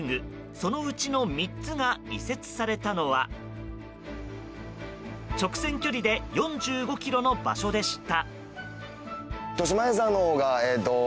そのうちの３つが移設されたのは直線距離で４５ｋｍの場所でした。